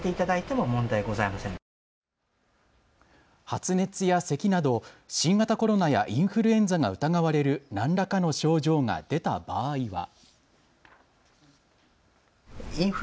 発熱やせきなど新型コロナやインフルエンザが疑われる何らかの症状が出た場合は。